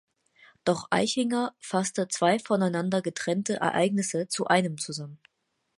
Doch Eichinger fasste zwei voneinander getrennte Ereignisse zu einem zusammen.